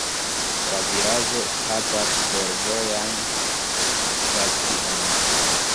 La vilaĝo havas fervojan stacion.